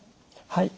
はい。